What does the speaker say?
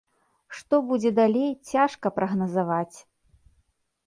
Што будзе далей, цяжка прагназаваць.